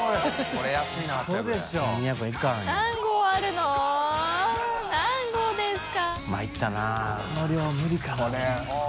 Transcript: この量無理かな俺。